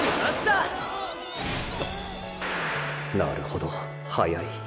なるほど速い。